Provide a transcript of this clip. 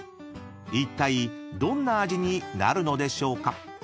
［いったいどんな味になるのでしょうか？］